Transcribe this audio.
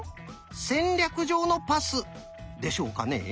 戦略上のパスでしょうかね？